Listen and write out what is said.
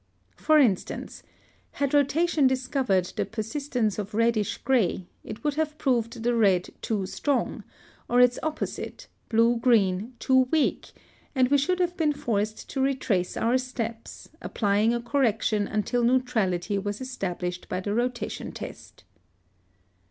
[Illustration: Fig. 18.] (115) For instance, had rotation discovered the persistence of reddish gray, it would have proved the red too strong, or its opposite, blue green, too weak, and we should have been forced to retrace our steps, applying a correction until neutrality was established by the rotation test.